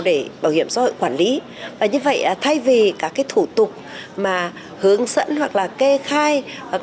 để bảo hiểm xã hội quản lý như vậy thay vì các cái thủ tục mà hướng dẫn hoặc là kê khai